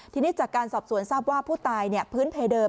ทีนี้จากการสอบสวนทราบว่าผู้ตายพื้นเพเดิม